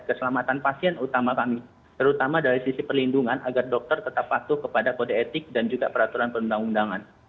keselamatan pasien utama kami terutama dari sisi perlindungan agar dokter tetap patuh kepada kode etik dan juga peraturan perundang undangan